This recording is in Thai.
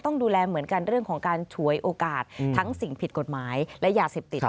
ต้องดูแลเหมือนกันเรื่องของการฉวยโอกาสทั้งสิ่งผิดกฎหมายและยาเสพติด